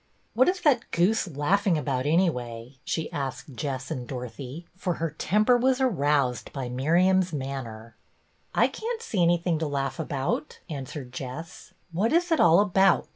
" What is that goose laughing about, anyway.?" she asked Jess and Dorothy, BETTY BAIRD 252 for her temper was aroused by Miriam's manner. " I can't see anything to laugh about," answered Jess. "What is it all about.?"